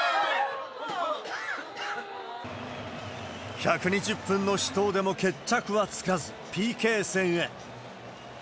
１２０分の死闘でも決着はつかず、ＰＫ戦へ。